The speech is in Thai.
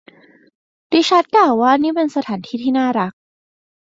ริชาร์ดกล่าวว่านี่เป็นสถานที่ที่น่ารัก